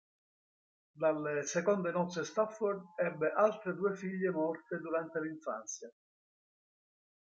Dalle seconde nozze Stafford ebbe altre due figlie morte durante l'infanzia.